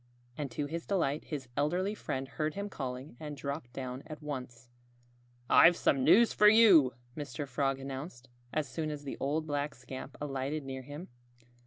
And to his delight his elderly friend heard him calling and dropped down at once. "I've some news for you," Mr. Frog announced, as soon as the old black scamp alighted near him.